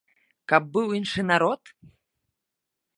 Каб быў іншы народ?